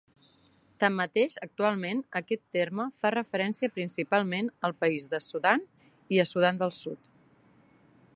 Tanmateix actualment aquest terme fa referència principalment al país Sudan i a Sudan del Sud.